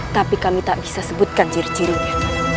tapi kami tak bisa sebutkan ciri cirinya